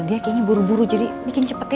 dia kayaknya buru buru jadi bikin cepet ya